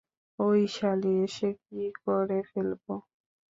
ওই শালী এসে কি করে ফেলবে?